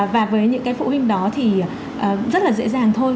và với những cái phụ huynh đó thì rất là dễ dàng thôi